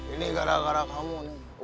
ini gara gara kamu nih